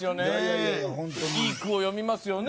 いい句を詠みますよね